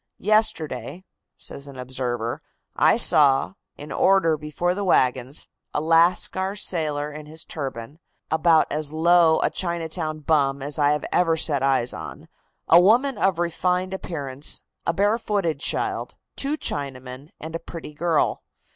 "Yesterday," says an observer, "I saw, in order before the wagons, a Lascar sailor in his turban, about as low a Chinatown bum as I ever set eyes on, a woman of refined appearance, a barefooted child, two Chinamen, and a pretty girl.